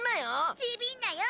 ちびんなよ